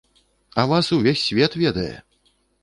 А вас увесь свет ведае!